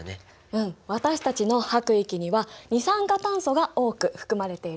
うん私たちの吐く息には二酸化炭素が多く含まれているからね。